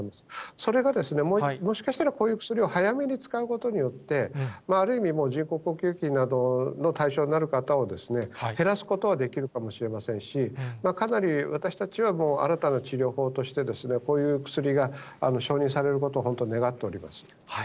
それがもしかしたら、こういう薬を早めに使うことによって、ある意味、人工呼吸器などの対象になる方を、減らすことはできるかもしれませんし、かなり、私たちはもう新たな治療法として、こういう薬が承認されることを、本当願っております。